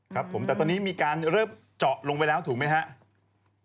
ครับผมแต่ตอนนี้มีการเริ่มเจาะลงไปแล้วถูกไหมครับ